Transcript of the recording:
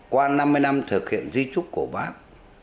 qua năm mươi năm thực hiện di trúc của bác